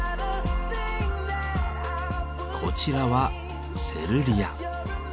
こちらは「セルリア」。